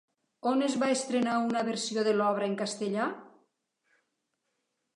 On es va estrenar una versió de l'obra en castellà?